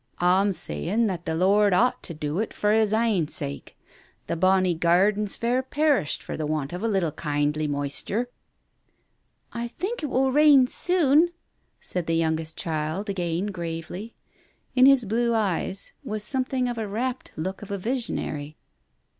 A'm sayin' that the Lord ought to do it for His ain sake — the bonny garden's fair perished for the want of a little kindly moisture." " I think it will rain soon !" said the youngest child again gravely. In his blue eyes was something of the rapt look of a visionary.